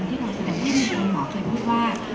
ที่เราแสดงให้ดีจนหมอเคยพูดว่า